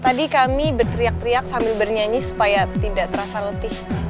tadi kami berteriak teriak sambil bernyanyi supaya tidak terasa letih